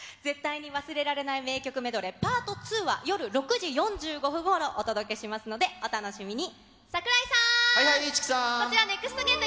絶対に忘れられない名曲メドレー、パート２は夜６時４５分ごろお届けしますので、お楽しみに。